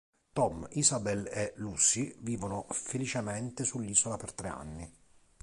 Tom, Isabel e Lucy vivono felicemente sull'isola per tre anni.